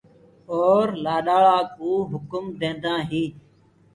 اور لآڏياݪآ ڪوٚ هڪُم ديندآ هين۔